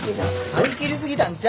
張り切り過ぎたんちゃうん。